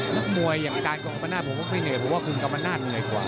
แล้วมวยอย่างการ์ดกรรมนาธิ์ผมก็ไม่เหนื่อยเพราะว่าคือกรรมนาธิ์เหนื่อยกว่า